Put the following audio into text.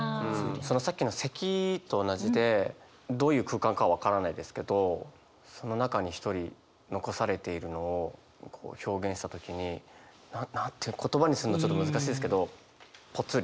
さっきの咳と同じでどういう空間か分からないですけどその中に一人残されているのを表現した時にな何て言葉にするのちょっと難しいですけどぽつり。